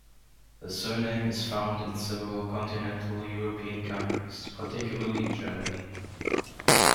The surname is found in several continental European countries, particularly Germany.